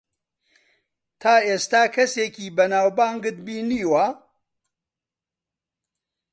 تا ئێستا کەسێکی بەناوبانگت بینیوە؟